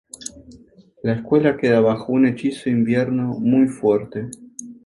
La escuela queda bajo un hechizo invierno muy fuerte.